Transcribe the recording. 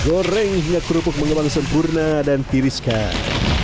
goreng hingga kerupuk mengembang sempurna dan tiriskan